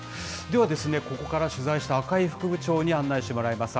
ではここから、取材した赤井副部長に案内してもらいます。